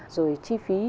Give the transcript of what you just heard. rồi chi phí